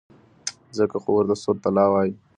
ځکه خو ورته سور طلا وايي.